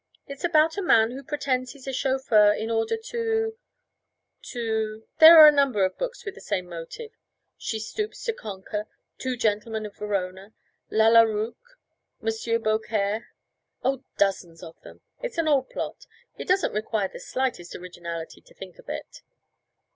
It's about a man who pretends he's a chauffeur in order to to There are any number of books with the same motive; She Stoops to Conquer, Two Gentlemen of Verona, Lalla Rookh, Monsieur Beaucaire Oh, dozens of them! It's an old plot; it doesn't require the slightest originality to think of it.'